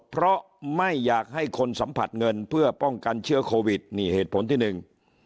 เพราะไม่อยากให้คนสัมผัสเงินเพื่อป้องกันเชื้อโควิดนี่เหตุผลที่หนึ่ง